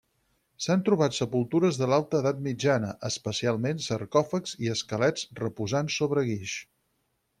S'han trobat sepultures de l’alta edat mitjana, especialment sarcòfags i esquelets reposant sobre guix.